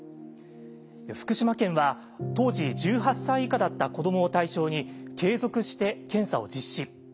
福島県は当時１８歳以下だった子どもを対象に継続して検査を実施。